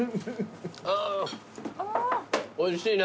あーおいしいな。